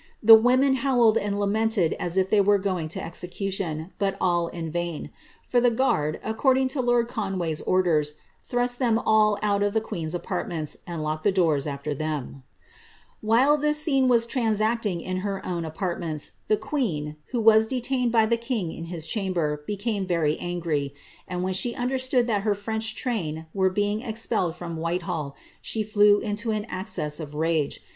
The awn howled and lamented as if they were going to execution, but ii vain ; for the guard, according to lord Goowar'a ordeia, thrust 0 aU cot of the queen's apartments, and locked the doom after mP WhOiB this scene was transacting in her own apartmenta, the queen, IQ vaa detained by the king inliis chamber, became very aagir, and mm aha understood that her French train were being ezpriUd from hilsliall, she iBew into an access of rsge.